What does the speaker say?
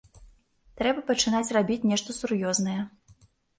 Трэба пачынаць рабіць нешта сур'ёзнае.